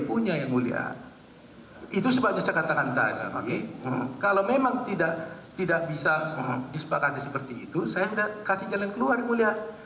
punya yang mulia itu sebagai saya katakan tadi kalau memang tidak tidak bisa disepakati seperti itu saya sudah kasih jalan keluar yang mulia